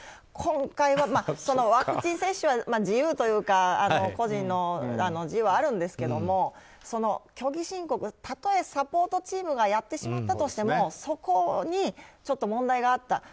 今回はワクチン接種は個人の自由はあるんですけども虚偽申告、たとえサポートチームがやってしまったとしてもそこに問題があった。